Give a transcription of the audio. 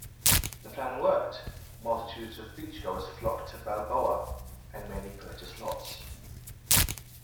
The plan worked; multitudes of beachgoers flocked to Balboa, and many purchased lots.